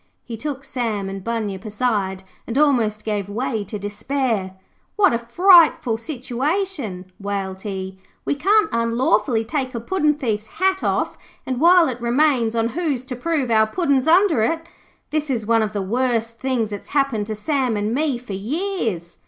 He took Sam and Bunyip aside, and almost gave way to despair. 'What a frightful situation,' wailed he. 'We can't unlawfully take a puddin' thief's hat off, and while it remains on who's to prove our Puddin's under it? This is one of the worst things that's happened to Sam and me for years.'